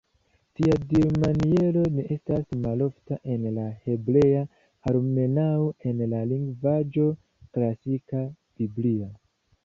Tia dirmaniero ne estas malofta en la hebrea, almenaŭ en la lingvaĵo klasika, biblia.